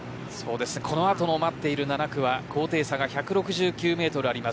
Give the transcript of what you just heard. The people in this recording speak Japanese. この後、待っている７区は高低差１６９メートルあります。